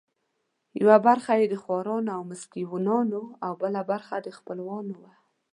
یوه برخه یې د خورانو او مسکینانو او بله برخه د خپلو وه.